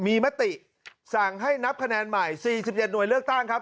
มีมติสั่งให้นับคะแนนใหม่๔๗หน่วยเลือกตั้งครับ